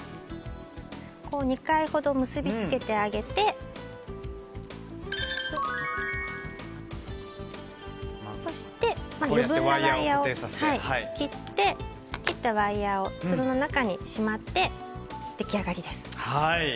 ２回ほど結び付けてあげてそして、余分なワイヤを切って切ったワイヤをつるの中にしまって、出来上がりです。